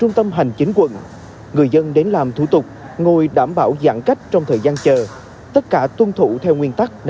gần chín quận người dân đến làm thủ tục ngồi đảm bảo giãn cách trong thời gian chờ tất cả tuân thủ theo nguyên tắc năm k